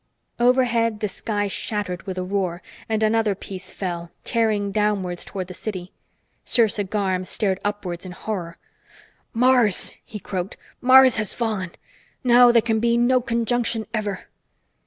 Overhead, the sky shattered with a roar, and another piece fell, tearing downwards toward the city. Sersa Garm stared upwards in horror. "Mars!" he croaked. "Mars has fallen. Now can there be no conjunction ever!"